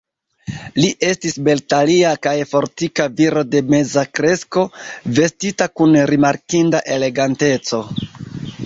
Li estis beltalia kaj fortika viro de meza kresko, vestita kun rimarkinda eleganteco.